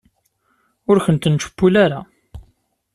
Ur kent-nettcewwil ara.